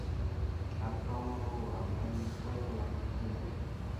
Apəraŋwaro wuram ane kwa wulamataya age.